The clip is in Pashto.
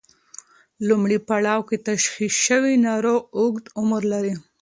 لومړی پړاو کې تشخیص شوی ناروغ اوږد عمر لري.